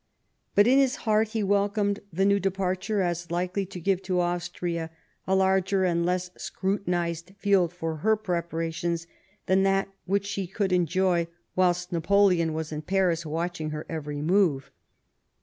But, in his heart he welcomed the new departure as likely to give to Austria a larger and less scrutinised field for her preparations than that which she could enjoy whilst Napoleon was in Paris watching her every move.